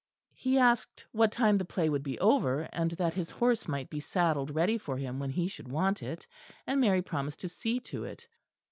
He asked what time the play would be over, and that his horse might be saddled ready for him when he should want it; and Mary promised to see to it.